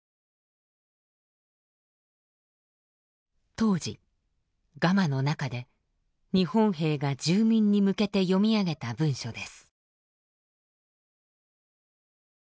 当時ガマの中で日本兵が住民に向けて読み上げた文書です。